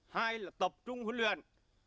hai là tập trung huấn luyện